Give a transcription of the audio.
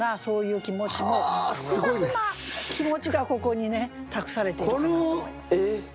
複雑な気持ちがここにね託されているかなと思います。